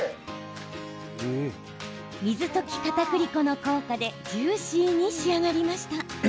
水溶きかたくり粉の効果でジューシーに仕上がりました。